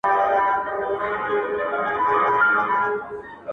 سبا او بله ورځ به!!